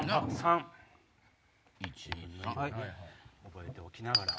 覚えておきながら。